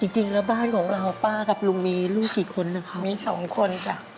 จริงแล้วบ้านของเราป้ากับลูกมีการทราบมีลูกกี่คนนะคะ